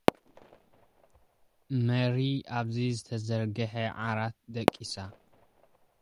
ማሪያ፡ ኣብ ዝተዘርግሐ ዓራት ደቂሳ።